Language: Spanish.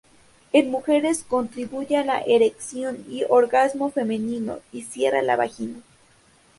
En mujeres contribuye a la erección y orgasmo femenino y cierra la vagina.